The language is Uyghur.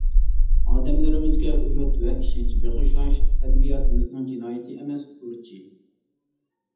ئادەملىرىمىزگە ئۈمىد ۋە ئىشەنچ بېغىشلاش ئەدەبىياتىمىزنىڭ جىنايىتى ئەمەس، بۇرچى!